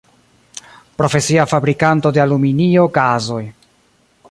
Profesia fabrikanto de aluminio kazoj.